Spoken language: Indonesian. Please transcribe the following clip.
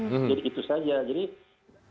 jadi itu saja